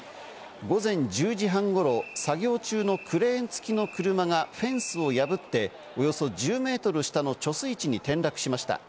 午前１０時半頃、作業中のクレーンつきの車がフェンスを破って、およそ１０メートル下の貯水池に転落しました。